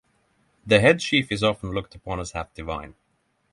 The head chief is often looked upon as half divine.